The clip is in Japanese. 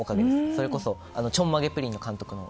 それこそ「ちょんまげぷりん」の監督も。